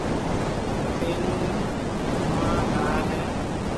پيٽل منوڻا ڪرائي هيَ۔